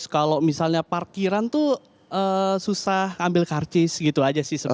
kalau misalnya parkiran tuh susah ambil karcis gitu aja sih sebenarnya